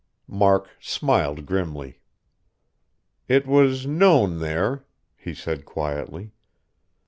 Mark smiled grimly. "It was known there," he said quietly.